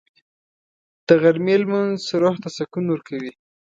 د غرمې لمونځ روح ته سکون ورکوي